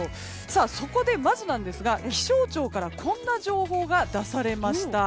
そこで、まず気象庁からこんな情報が出されました。